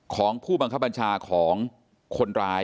ของผู้บังคับบัญชาของคนร้าย